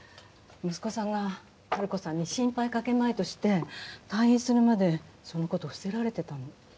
息子さんが治子さんに心配かけまいとして退院するまでそのこと伏せられてたの。